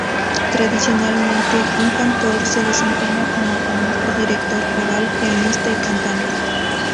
Tradicionalmente un "Kantor" se desempeña como organista, director coral, pianista y cantante.